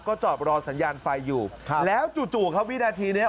ก็จอดรอสัญญาณไฟอยู่แล้วจู่ครับวินาทีนี้